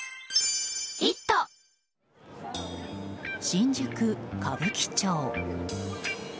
新宿・歌舞伎町。